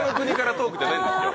トークじゃないんですよ。